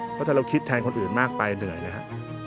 เพราะถ้าเราคิดแทนคนอื่นมากไปเหนื่อยนะครับ